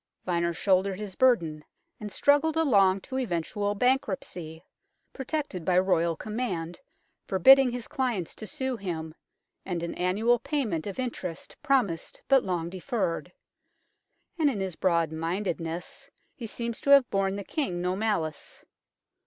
Vyner shouldered his burden and struggled along to eventual bankruptcy, protected by Royal command forbidding his clients to sue him, and an annual payment of interest promised but long deferred ; and in his broad mindedness he seems to have borne the King no malice.